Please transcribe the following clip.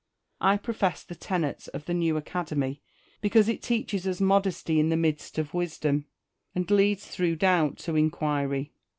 I profess the tenets of the New Academy, because it teaches us modesty in the midst of wisdom, and leads through doubt to incjuiry.